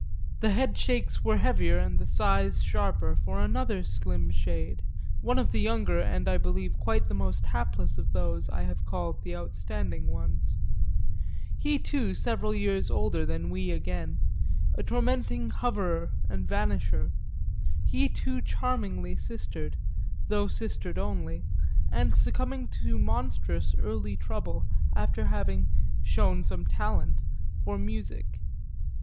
The headshakes were heavier and the sighs sharper for another slim shade, one of the younger and I believe quite the most hapless of those I have called the outstanding ones; he too, several years older than we again, a tormenting hoverer and vanisher; he too charmingly sister'd, though sister'd only, and succumbing to monstrous early trouble after having "shown some talent" for music.